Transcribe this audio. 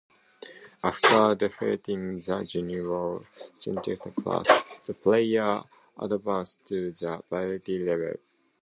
After defeating the Junior and Senior classes, the player advances to the Varsity Level.